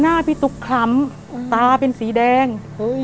หน้าพี่ตุ๊กคล้ำตาเป็นสีแดง